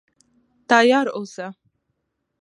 تیار اوسه.